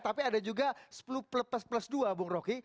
tapi ada juga sepuluh plus plus dua bung roky